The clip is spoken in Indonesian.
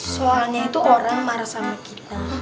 soalnya itu orang marah sama kita